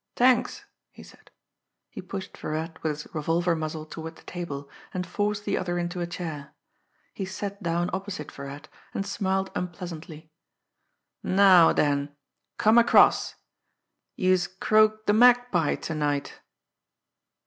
"T'anks!" he said. He pushed Virat with his revolver muzzle toward the table, and forced the other into a chair. He sat down opposite Virat, and smiled unpleasantly. "Now den, come across! Youse croaked de Magpie ter night!"